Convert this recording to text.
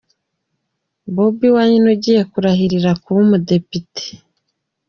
Bobi Wine ugiye kurahirira kuba umudepite.